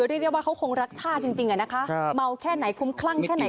เรียกได้ว่าเขาคงรักชาติจริงอะนะคะเมาแค่ไหนคุ้มคลั่งแค่ไหน